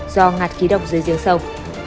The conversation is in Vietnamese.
do ngạt khí độc dưới giếng sâu